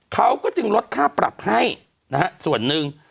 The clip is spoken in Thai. เขาก็จึงลดค่าปรับให้นะฮะส่วนหนึ่ง